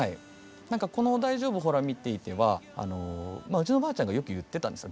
何かこの「大丈夫ほら見ていて」はうちのおばあちゃんがよく言ってたんです